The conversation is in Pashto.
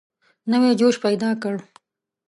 نوی جوش پیدا کړ.